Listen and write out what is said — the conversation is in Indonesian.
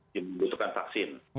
yang membutuhkan vaksin